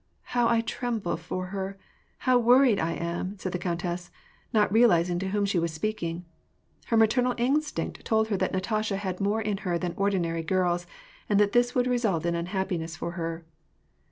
How I tremble for her; how worried I am! " said the countess, not realizing to whom she was speaking. Her maternal instinct told her that Natasha had more in her than ordinary girls, and that this would result in unhappiness for her.